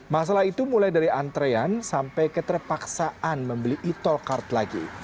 masalah itu mulai dari antrean sampai keterpaksaan membeli e tol card lagi